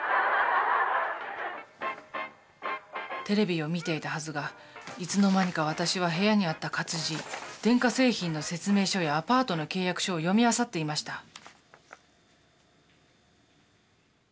テレビを見ていたはずがいつの間にか私は部屋にあった活字電化製品の説明書やアパートの契約書を読みあさっていました。